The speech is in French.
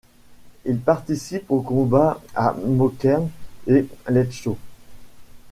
Il participe aux combats à Mockern et Leitzau.